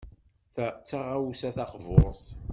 Ta d taɣawsa taqburt.